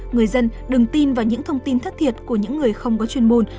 người dân đừng tin vào những thông tin thất thiệt của những người không có chuyên môn